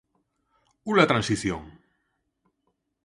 U-la Transición?